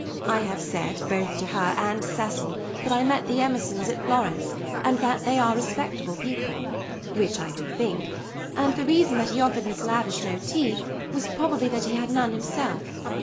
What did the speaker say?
I have said both to her and Cecil that I met the Emersons at Florence, and that they are respectable people—which I do think—and the reason that he offered Miss Lavish no tea was probably that he had none himself.